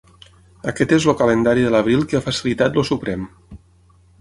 Aquest és el calendari de l’abril que ha facilitat el Suprem.